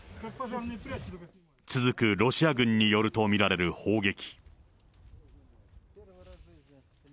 続くロシア軍によると見られる砲撃。